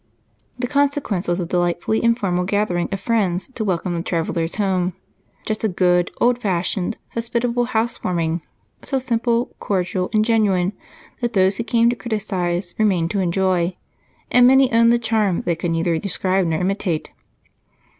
The consequence was a delightfully informal gathering of friends to welcome the travelers home. Just a good, old fashioned, hospitable housewarming, so simple, cordial, and genuine that those who came to criticize remained to enjoy, and many owned the charm they could neither describe nor imitate.